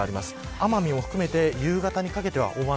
奄美を含めて夕方にかけては大雨。